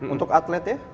untuk atlet ya